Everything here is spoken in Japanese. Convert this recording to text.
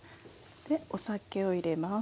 お酒を入れます。